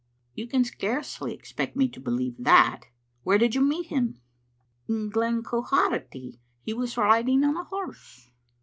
" You can scarcely expect me to believe that. Where did you meet him?" " In Glen Quharity. He was riding on a horse."